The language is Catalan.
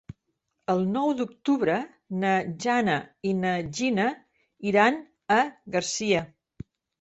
El nou d'octubre na Jana i na Gina iran a Garcia.